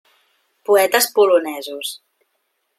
Poetes polonesos.